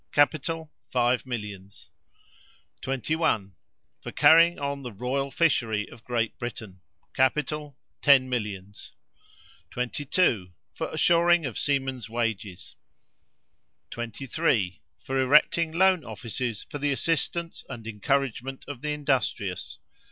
Capital, five millions. 21. For carrying on the royal fishery of Great Britain. Capital, ten millions. 22. For assuring of seamen's wages. 23. For erecting loan offices for the assistance and encouragement of the industrious.